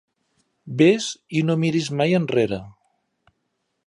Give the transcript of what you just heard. Vés i no miris mai enrere.